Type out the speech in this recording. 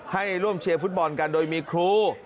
ให้ร่วมเชียร์ฟุตบอลกันโดยมีครู